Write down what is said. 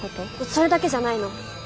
それだけじゃないの。